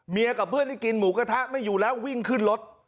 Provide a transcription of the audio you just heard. กับเพื่อนที่กินหมูกระทะไม่อยู่แล้ววิ่งขึ้นรถ